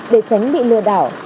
để tránh bị lừa đảo